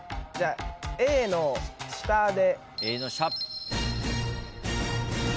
Ａの下で。